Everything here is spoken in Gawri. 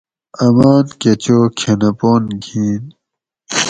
آمان کہ چو کھنہ پن گین